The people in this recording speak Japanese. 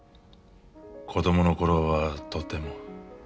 子どもの頃はとても。